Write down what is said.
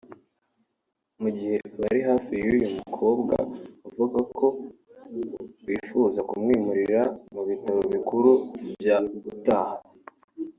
Mu gihe abari hafi y’uyu mukobwa bavuga ko bifuza kumwimurira mu bitaro bikuru bya Utah